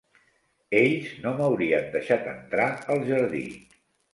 Ells no m'haurien deixat entrar al jardí.